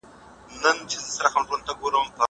سینه سپينه کړه!